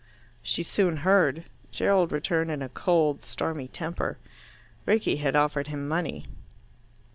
She soon heard. Gerald returned in a cold stormy temper. Rickie had offered him money.